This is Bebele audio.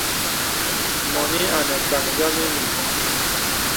Mɔnì anə mpaŋ yòm ìyiŋ.